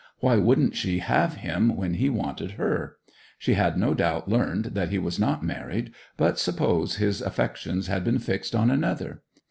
Why wouldn't she have him when he wanted her? She had no doubt learned that he was not married, but suppose his affections had since been fixed on another?